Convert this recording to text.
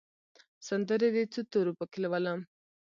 سندرې د څو تورو پکښې لولم